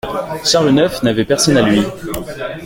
Charles neuf n'avait personne à lui.